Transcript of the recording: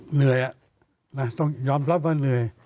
เหนื่อยต้องยอมรับว่าเหนื่อย